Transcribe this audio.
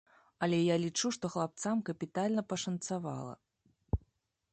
Але я лічу, што хлапцам капітальна пашанцавала.